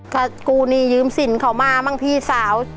ก็กูนี่ยืมสินเขามาบ้างพี่สาว